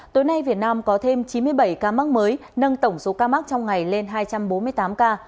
tối nay việt nam có thêm chín mươi bảy ca mắc mới nâng tổng số ca mắc trong ngày lên hai trăm bốn mươi tám ca